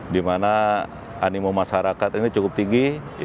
dimana animo masyarakat ini cukup tinggi